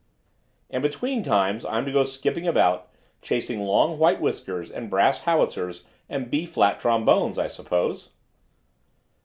"And between times I'm to go skipping about, chasing long white whiskers and brass howitzers and B flat trombones, I suppose."